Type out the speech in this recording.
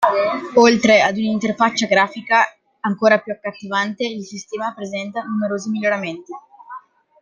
Oltre ad un'interfaccia grafica ancora più accattivante il sistema presenta numerosi miglioramenti.